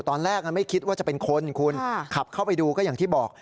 ตอนแรกไม่คิดว่าจะเป็นคนคุณขับเข้าไปดูก็อย่างที่บอก